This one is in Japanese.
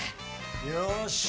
よし！